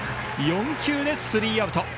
４球でスリーアウト。